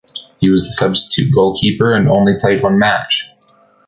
He was the substitute goalkeeper and only played one match.